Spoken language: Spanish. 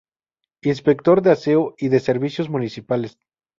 Inspector de aseo y de servicios municipales.